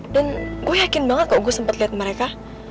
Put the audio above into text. dan gue yakin banget kok gue sempet liat mereka